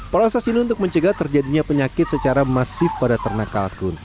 proses ini untuk mencegah terjadinya penyakit secara masif pada ternak kalkun